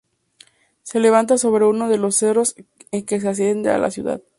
Se levanta sobre uno de los cerros en que se asienta la ciudad.